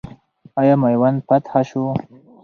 آیا میوند فتح سو؟